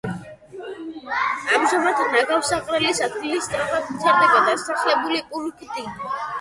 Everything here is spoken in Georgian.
ამჟამად ნაგავსაყრელის ადგილას სწრაფად ვითარდება დასახლებული პუნქტი.